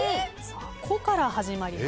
「こ」から始まります。